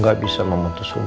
jangan ke fung pretty dong